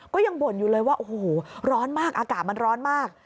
ก็ยังบ่นอยู่เลยว่าโอ้โหร้อนมากอากาศมันร้อนมาก